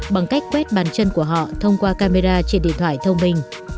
bằng cách quét bàn chân của họ thông qua camera trên điện thoại thông minh